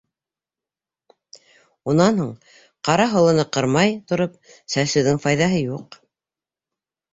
Унан һуң, ҡара һолоно ҡырмай тороп сәсеүҙең файҙаһы юҡ.